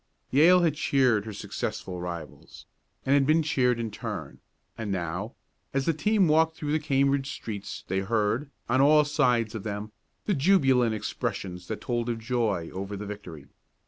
Yale had cheered her successful rivals, and had been cheered in turn, and now, as the team walked through the Cambridge streets they heard, on all sides of them, the jubilant expressions that told of joy over the victory.